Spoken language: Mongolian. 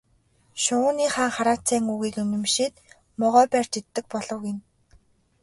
Шувууны хаан хараацайн үгийг үнэмшээд могой барьж иддэг болов гэнэ.